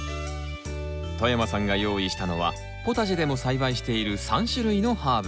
外山さんが用意したのはポタジェでも栽培している３種類のハーブ。